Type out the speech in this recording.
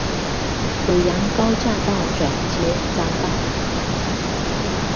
五楊高架道轉接匝道